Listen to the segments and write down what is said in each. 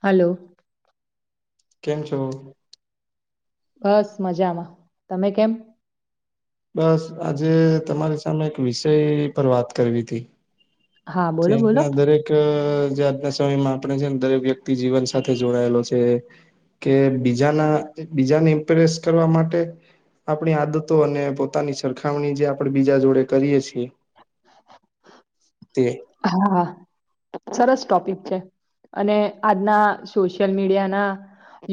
હાલો. કેમ છો? બસ મજામાં તમે કેમ બસ આજે તમારી સામે એક વિષય પર વાત કરવી હતી. હા બોલો ચેક બોલો ના દરેક એક જે આજના સમયમાં આપણે છે ને દરેક વ્યક્તિ જીવન સાથે જોડાયેલો છે, કે બીજાના બીજાને ઇમ્પ્રેસ કરવા માટે આપણી આદતો અને પોતાની સરખામણી જે આપણે બીજા જોડે કરીએ છીએ, [unintelligible] તે હા. સરસ ટોપિક છે, અને આજના સોશિયલ મીડિયાના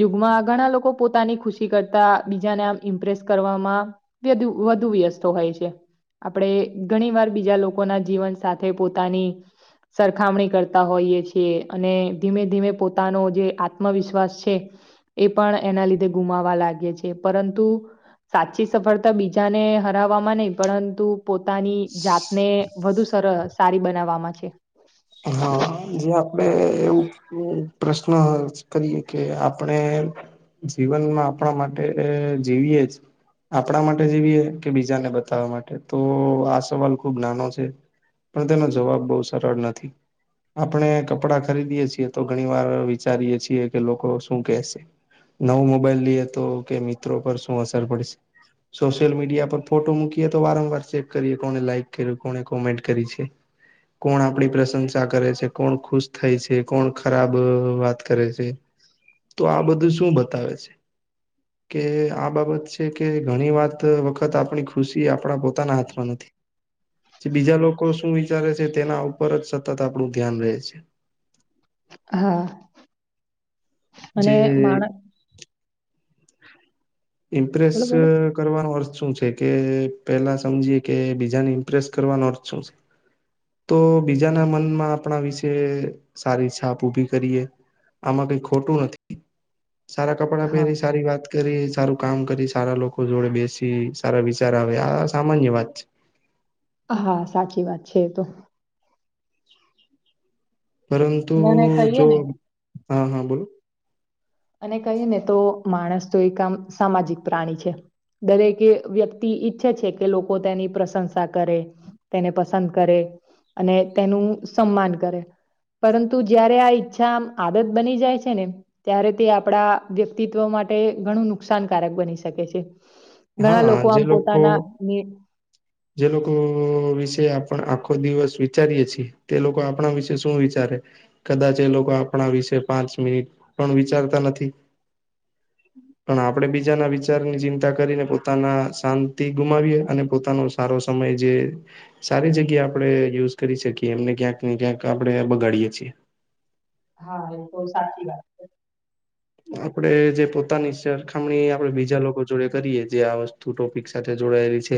યુગમાં ઘણા લોકો પોતાની ખુશી કરતા બીજાને આમ ઇમ્પ્રેસ કરવામાં, તે વધુ વ્યસ્ત હોય છે, આપણે ઘણી વાર બીજા લોકોના જીવન સાથે પોતાની સરખામણી કરતા હોઈએ છીએ, અને ધીમે ધીમે પોતાનો જે આત્મવિશ્વાસ છે. એ પણ એના લીધે ગુમાવા લાગે છે, પરંતુ સાચી સફળતા બીજાને હરાવવામાં નહી, પરંતુ પોતાની જાતને વધુ સર સારી બનાવવામાં છે. હા, જે આપડણે એવું પ્રશ્ન કરીએ કે આપણે જીવનમાં આપણા માટે જીવીએ જ આપણા માટે જેવીએ કે બીજાને બતાવવા માટે તો આ સવાલ ખુબ નાનો છે. પણ તેનો જવાબ બહુ સરળ નથી આપણે કપડાં ખરીદીએ છીએ તો ઘણી વાર વિચારીએ છીએ કે લોકો શું કેશે નવું મોબાઈલ લઈએ તો કે મિત્રો પર શું અસર પડશે સોશિયલ મીડિયા પર ફોટો મૂકીએ તો વારંવાર ચેક કરીએ કોને લાઈક કર કોને કોમેન્ટ કરી છે કોણ આપડી પ્રશંસા કરે છે કોણ ખુશ થાય છે કોણ ખરાબ વાત કરે છે તો આ બધું શું બતાવે છે કે આ બાબત છે કે ઘણી વાત વખત આપણી ખુશી આપણા પોતાના હાથમાં નથી બીજા લોકો શું વિચારે છે તેના ઉપર જ સતત આપણું ધ્યાન રહે છે હા જે અને માણ ઇમપ્રેસ બોલો બોલો કરવાનો અર્થ શું છે કે પેલા સમજીએ કે બીજાને ઇમ્પ્રેસ કરવાનો અર્થ શું છે તો બીજાના મનમાં આપણા વિશે સારી છાપ ઉઊભી કરીએ આમાં કઈ ખોટું નથી સારા કપડાં હા પહેરી સારી વાત કરી સારું કામ કરી સારા લોકો જોડે બેસી સારા વિચાર આવે આ સામાન્ય વાત છે હા સાચી વાત છે તો પરંતુ અને એને કહીએ જો ને હા હા બોલો અને કહી ને તો માણસ તો એક આમ સામાજિક પ્રાણી છે દરેકે વ્યક્તિ ઈચ્છે છે કે લોકો તેની પ્રશંસા કરે તેને પસંદ કરે અને તેનું સન્માન કરે પરંતુ જયારે આ ઈચ્છા આદત બની જાય છે ને ત્યારે તે આપણા વ્યક્તિત્વ માટે ઘણું નુકસાનકારક બની શકે છે ઘણા હા લોકો જે આમ લોકો પોતાના જે લોકો વિશે આપ આખો દિવસ વિચારીએ છીએ તે લોકો આપણા વિશે શું વિચારે કદાચ એ લોકો આપણા વિશે પાંચ મિનિટ પણ વિચારતા નથી પણ આપડણે બીજાના વિચારની ચિંતા કરીને પોતાના શાંતિ ગુમાવીએ અને પોતાનો સારો સમય જે સારી જગ્યા આપડણે યુઝ કરી શકીએ એમને ક્યાંક ને ક્યાંક આપણે બગાડીએ છીએ હા એ તો સાચી વાત છે આપડે જે પોતાની સરખામણી આપડે બીજા લોકો જોડે કરીએ જે આ વુ ટોપિક સાથે જોડાયેલી છે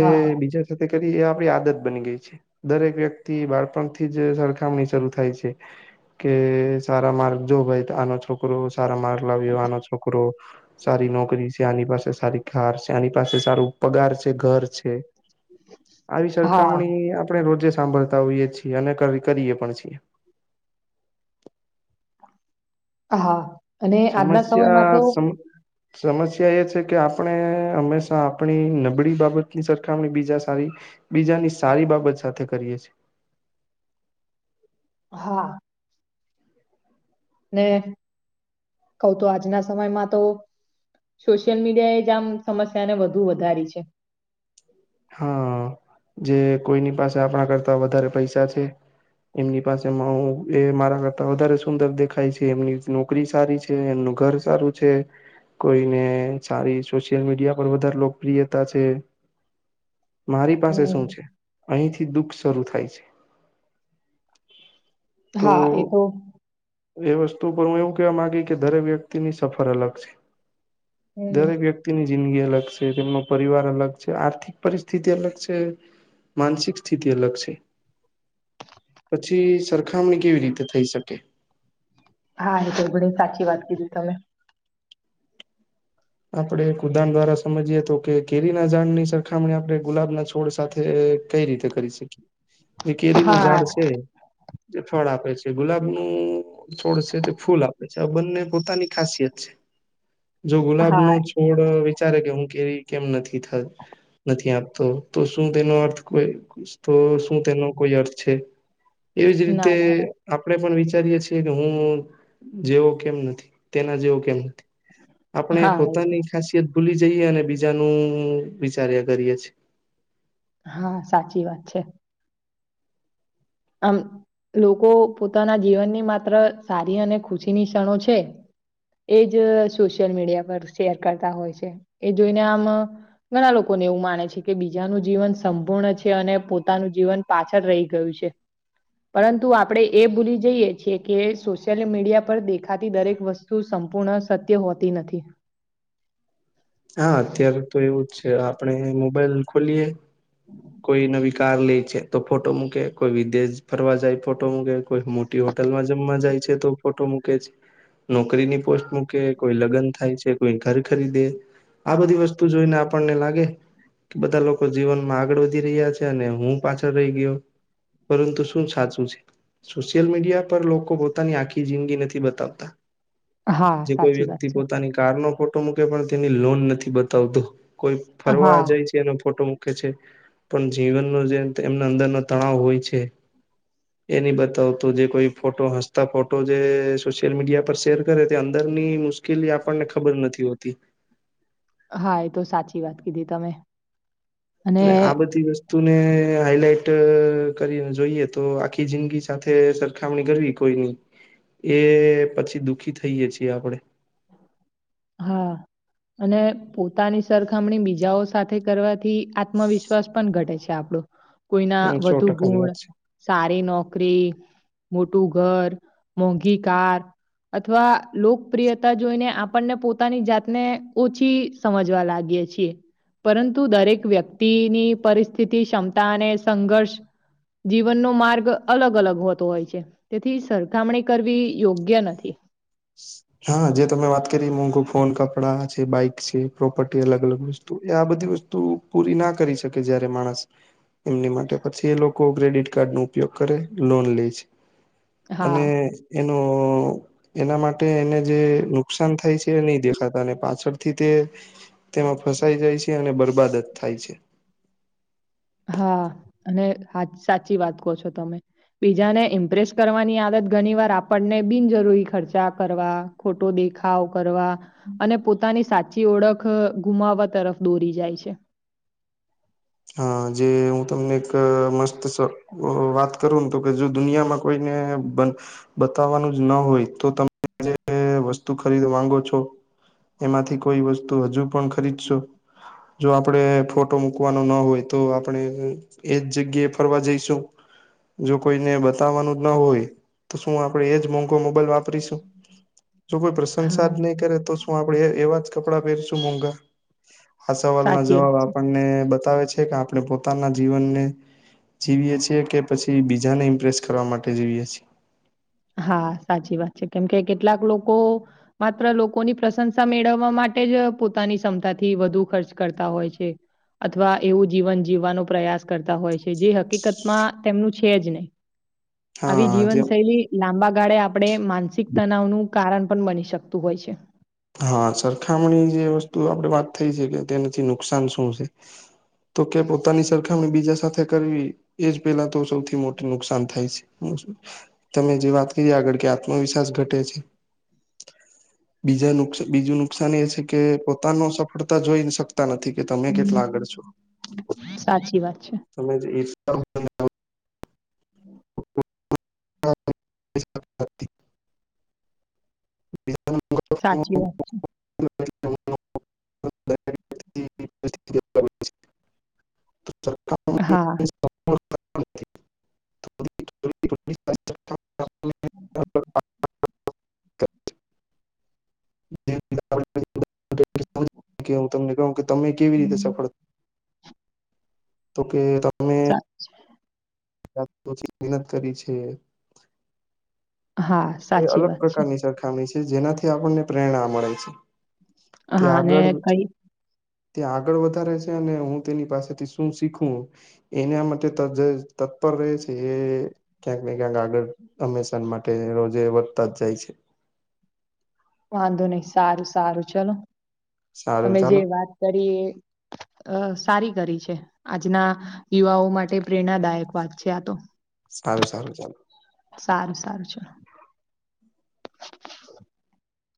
હા બીજા સાથે કરી એ આપડી આદત બની ગઈ છે દરેક વ્યક્તિ બાળપણથી જ સરખામણી શરૂુ થાય છે કે સારા માર્ગ જો ભાઈ આનો છોક છોકરો સારા માર્ક લાવ્યો આનો છોકરો સારી નોકરી છે આની પાસે સારી ઘ છે આની પાસે સારું પગાર છે ઘર છે આવી હા સરખામણી આપણે રોજે સાંભળતા હોઈએ છીએ અને કરીએ પણ છીએ હા અને આજના સમયમાં તો સમસ્યા સમ સમસ્યા એ છે કે આપણે હંમેશા આપણી નબળી બાબતની સરખામણી બીજા સારી બીજાની સારી બાબત સાથે કરીએ છીએ હા [inaudible] ને કઉ તોું આજના સમયમાં તો સોશિયલ મીડિયા એ જમ સમસ્યાને વધુ વધારી છે હા જે કોઈની પાસે આપણા કરતા વધારે પૈસા છે એમની પાસે એ મારા કરતા વધારે સુંદર દેખાય છે એમની છોકરી સારી છે એમનું ઘર સારું છે કોઈને સારી સોશિયલ મીડિયા પર વધારે લોકપ્રિયતા છે મારી પાસે શું હમ. છે અહીંથી દુઃખ શરૂુ થાય છે હા એ તો એ વસ્તુ પર હું એવું કેવા માંગી કે દરેક વ્યક્તિની સફર અલગ છે હમ દરેક વ્યક્તિની જિંદગી અલગ છે તેમનો પરિવાર અલગ છે આર્થિક પરિસ્થિતિ અલગ છે માનસિક સ્થિતિ અલગ છે પછી સરખામણી કેવી રીતે થઈ શકે હા એ ગ ઘણી સાચી વાત કીધી તમે આપડણે એક ઉદાહણ દ્વારા સમજીએ તો કે કેરી ના જઝાડની સરખામણી આપણે ગુલાબ ના છોડ સાથે કઈ રીતે કરી શકીએ જે કેરી નું ઝાડ હા છે જે ફળ આપે છે ગુલાબનું છોડશે તે ફૂલ આપે છે આ બંને પોતાની ખાસિયત છે ગુલાબ હા નો છોડ વિચારે કે હું કેરી કેમ નથી થ નથી આપતો તો શું તેનો અર્થ કોઈ તો શું તેનો કોઈ અર્થ છે એવીજ રીતે ના ના ના આપણેે પણ વિચારીએ છીએ કે હું જેવો કેમ નથી તેના જેવો કેમ નથી આપણે હા એ તો પોતાની ખાસિયત ભૂલી જઈએ અને બીજાનું વિચાર્યા કરીએ છીએ હા સાચી વાત છે આમ લોકો પોતાના જીવનની માત્ર સારી અને ખુશીની ક્ષણો છે એજ સોશિયલ મીડિયા પર શેર કરતા હોય છે એ જોઈને આમ ઘણા લોકોને એવું માને છે કે બીજાનું જીવન સંપૂર્ણ છે અને પોતાનું જીવન પાછળ રહી ગયું છે પરંતુ આપણે એ ભૂલી જઈએ છીએ કે સોશિયલ મીડિયા પર દેખાતી દરેક વસ્તુ શું સંપૂર્ણ સત્ય હોતી નથી હા અત્યારે તો એવું જ છે આપણે મોબાઈલ ખોલીયએ હમ કોઈ નવી કાર લે છે તો ફોટો મૂકે કોઈ વિદેશ ફરવા જાય ફોટો મૂકે કોઈ હોટલમાં જમવા જાય છે તો ફોટો મૂકે છે નોકરીની પોસ્ટ મૂકે કોઈ લગ્ન થાય છે કોઈ ઘર ખરીદે આ બધી વસ્તુ જોઈને આપણને લાગે કે બધા લોકો જીવનમાં આગળ વધી રહ્યા છે અને હું પાછળ રહી ગયો પરંતુ શું સાચું છે સોશિયલ મીડિયા પર લોકો પોતાની આખી જિંદગી નથી બતાવતા હા જે કોઈ સાચી વાત વ્યક્તિ છે પોતાની કાર નો ફોટો મૂકે પણ તેની લોન નથી બતાવતો કોઈ ફરવા હા જાય છે એનો ફોટો મુકે છે પણ જીવનનો જે એમના અંદરનો તણાવ હોય છે એ ન બતાવતો જે કોઈ ફોટો હસતા ફોટો જે સોશિયલ મીડિયા પર શેર કરે તે અંદરની મુ કેલી આપણને ખબર નથી હોતી હા એ તો સાચી વાત કીધી તમે અને આ બધી વસ્તુ વસ્તુ ને હાઈલાઈટ કરી જોઈએ તો આખી જિંદગી સાથે સરખામણી કરવી કોઈની એ પછી દુઃખી થઈએ છીએ આપડે હા [inaudible] અને પોતાની સરખામણી બીજાઓ સાથે કરવાથી આત્મવિશ્વાસ પણ ઘટે છે આપડું કોઈના હમ સો વધુ ટકાની વાત ગુણ છે. સારી નોકરી મોટું ઘર મોંઘી કાર અથવા લોકપ્રિયતા જોઈને આપને પોતાની જાતને ઓછી સમજવા લાગીએ છીએ પરંતુ દરેક વ્યક્તિની પરિસ્થિતિ ક્ષમતા અને સંઘર્ષ જીવનનો માર્ગ અલગ અલગ હોતો હોય છે તેથી સરખામણી કરવી યોગ્ય નથી હા જે તમે વાત કરી મોંઘું ફોન કપડા છે બાઈક છે પ્રોપર્ટી અલગ અલગ વસ્તુ તો આ બધી વસ્તુ પૂરી ના કરી શકે જયારે માણસ એમની માટે પછી એ લોકો ક્રેડિટ કાર્ડ ન ઉપયોગ કરે લોન લે છે હા અને એનો એના માટે એને જે નુકસાન થાય છે એ નહી દેખાતા અને પાછળથી તે તેમાં ફસાઈ જાય છે અને બરબાદત થાય છે. હા અને સાચી વાત કહો છો તમે. બીજાને ઇમ્પ્રેસ કરવાની આદત ઘણી વાર આપણને બિનજરૂરી ખર્ચા કરવા ફોટો દેખાવ કરવા અને પોતાની સા પાછી ઓળખ ગુમાવવા તરફ દોરી જાય છે. હા જે હું તમને એક મસ્ત વાત કરું ને તો કે જો દુનિયામાં કોઈને બતાવવાનું જ ના હોય તો તમે જે વસ્તુ ખરીદ માંગો છો? એમાંથી કોઈ વસ્તુ હજુ પણ ખરીદશો જો આપડે ફોટો મક મૂકવાનો ન હોય તો આપણે એજ જગ્યાએ ફરવા જઈશું. જો કોઈને બતાવવાનું જ ન હોય તો શું આપણેે એ જ મોંઘો મોબાઈલ વાપરીશું? જો કોઈ હા પ્રશંસા જ નહીં કરે તો શું આપણે એ એવા જ કપડાં પહેરશું મોઘા? આ સવાલના સાચી વાત જવાબ છે આપણને બતાવે છે કે આપણે પોતાના જીવનને જીવીએ છીએ કે પછી બીજાને ઇમ્પ્રેસ કરવા માટે જીવીએ છીએ હા સાચી વાત છે કેમ કે કેટલાક લોકો માત્ર લોકોની પ્રશંસા મેળવવા માટે જ પોતાની ક્ષમતાથી વધુ ખર્ચ કરતા હોય છે. અથવા એવું જીવન જીવવાનો પ્રયાસ કરતા હોય છે જે હકીકતમાં તેમનું છે જ નહી. આવી હા જીવન જે શૈલી લાંબા ગાળે આપણે માનસિક તનાવ નું કારણ પણ બની શકતું હોય છે. હા સરખામણી જે વસ્તુ આપણે વાત થઈ છે કે તેનાથી નુકસાન શું છે. તો કે પોતાની સરખામણી બીજા સાથે કરવી એજ પેલા તો સૌથી મોટું નુકસાન થાય છે. [inaudible] તમે જે વાત કરીએ આગળ કે આત્મવિશ્વાસ ઘટે છે બીજા નુકસા બીજું નુકસાન એ છે કે પોતાનો સફળતા જોઈ શકતા નથી કે તમે કેટલા આગળ છો. સાચી વાત છે. તમે જ એ જ [unintelligible] બીજાનું સાચી વાત છે. [inaudible] હા. [unintelligible] [inaudible] હમ. [inaudible] હું તમને કહું કે તમે કેવી હમ રીતે સફળ તો કે તમે સાચ [unintelligible] મહેનત કરી છે. હા, એ સાચી અલગ વાત છે. પ્રકારની સાથે એ છે જેનાથી આપણને પ્રેરણા મળે છે. તે હા, અને આગળ કઈ ત્યાં આગળ વધારે છે અને હું તેની પાસેથી શું શીખું એના માટે જે તત્પર રહે છે એ ક્યાંક ને ક્યાંક આગળ હંમેશા માટે રોજે વધતા જ જાય છે. વાંધો નહ સારું સારું ચલો સારું તમે જે ચાલો વાત કરી એ અ સારી કરી છે આજના યુવાઓ માટે પ્રેરણાદાયક વાત છે આ તો. સારું સારું ચાલો. સારું સારું છે.